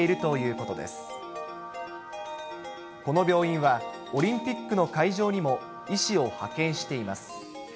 この病院は、オリンピックの会場にも医師を派遣しています。